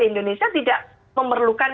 indonesia tidak memerlukan